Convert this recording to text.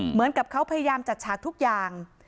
เหมือนกับเขาพยายามจัดฉากทุกอย่าง